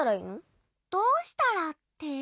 「どうしたら」って？